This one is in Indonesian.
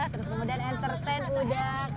terus kemudian entertain udah